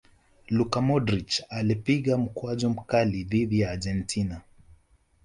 luka modric alipiga mkwaju mkali dhidi ya argentina